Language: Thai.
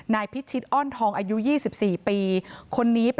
นายพิชิตอ้อนทองอายุ๒๔ปี